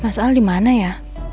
masalah dimana ya